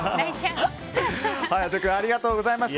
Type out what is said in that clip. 勇人君ありがとうございました。